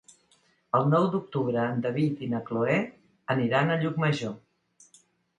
El nou d'octubre en David i na Cloè aniran a Llucmajor.